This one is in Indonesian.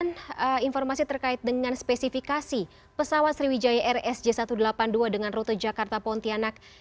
dan informasi terkait dengan spesifikasi pesawat sriwijaya rsj satu ratus delapan puluh dua dengan rute jakarta pontianak